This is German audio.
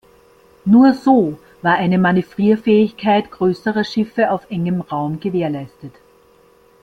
Nur so war eine Manövrierfähigkeit größerer Schiffe auf engem Raum gewährleistet.